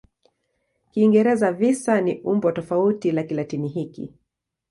Kiingereza "visa" ni umbo tofauti la Kilatini hiki.